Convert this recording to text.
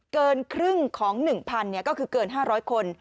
เกินครึ่งของ๑๐๐ก็คือเกิน๕๐๐คน